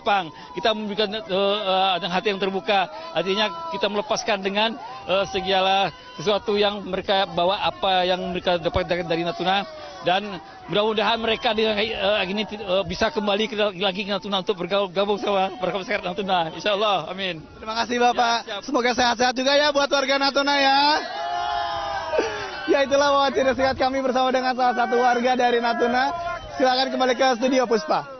ya itulah wawancara sehat kami bersama dengan salah satu warga dari natuna silahkan kembali ke studio puspa